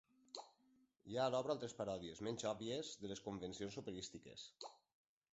Hi ha a l'obra altres paròdies –menys òbvies– de les convencions operístiques.